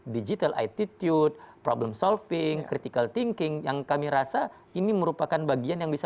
digital attitude problem solving critical thinking yang kami rasa ini merupakan bagian yang bisa